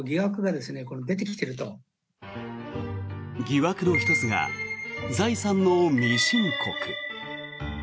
疑惑の１つが、財産の未申告。